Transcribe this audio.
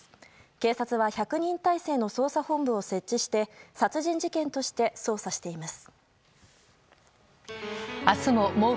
警察は１００人態勢の捜査本部を設置して殺人事件として捜査しています。